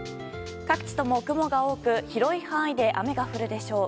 各地とも雲が多く広い範囲で雨が降るでしょう。